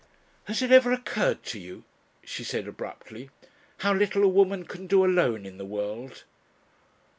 "Has it ever occurred to you," she said abruptly, "how little a woman can do alone in the world?"